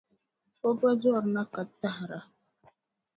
O ba zɔrina ka tahira.